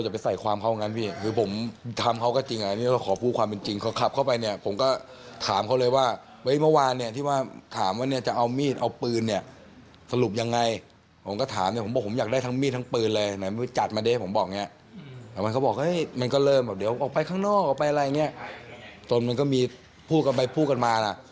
ไปข้างนอกไปอะไรอย่างนี้จนมันก็มีพูดกันไปพูดกันมานะ